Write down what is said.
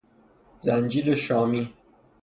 زنجیل شامی